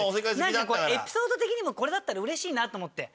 なんかこうエピソード的にもこれだったらうれしいなと思って。